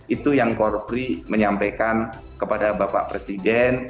itu yang korpri menyampaikan kepada bapak presiden